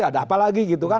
ada apa lagi gitu kan